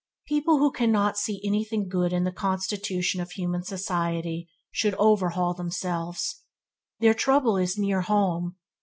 People who cannot see anything good in the constitution of human society, should overhaul themselves. Their trouble is near home.